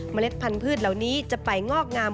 เล็ดพันธุ์เหล่านี้จะไปงอกงาม